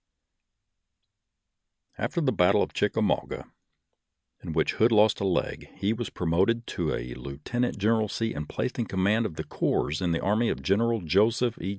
After the battle of Chickamauga, in which Hood lost a leg, he was promoted to a lieutenant generalcy and placed in command of a corps in the army of General Joseph E.